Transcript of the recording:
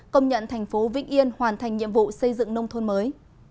công nhận thành phố vĩnh yên hoàn thành nhiệm vụ xây dựng nông thôn mới